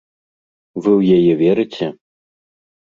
Вы ў яе верыце?